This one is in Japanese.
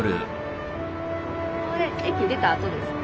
これ駅出たあとですか？